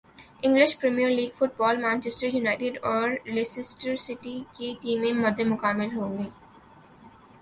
English Premier League football Manchester United اور Leicester City کی ٹیمیں مدمقابل ہونگی